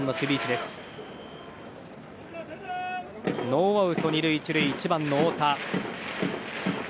ノーアウト、２塁１塁１番の太田。